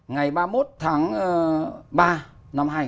ngày ba mươi một tháng ba năm hai nghìn